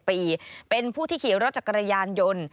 ปีเป็นผู้ที่ขี่รถจักรยานยนต์